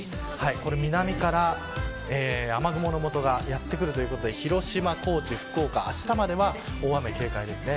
南から雨雲のもとがやってくるということで広島、高知、福岡あしたまでは大雨に警戒です。